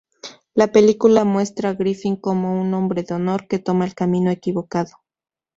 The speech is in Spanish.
La película muestra Griffin como un hombre de honor que toma el camino equivocado.